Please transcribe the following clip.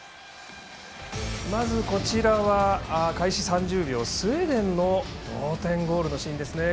まず、こちらは開始３０秒スウェーデンの同点ゴールのシーンです。